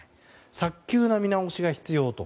早急の見直しが必要だと。